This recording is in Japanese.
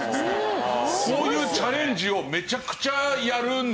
こういうチャレンジをめちゃくちゃやるんですよ。